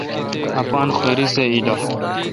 اپان خوِری سہ ایلہ۔